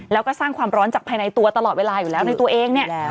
แล้วก็สร้างความร้อนจากภายในตัวตลอดเวลาอยู่แล้วในตัวเองเนี่ย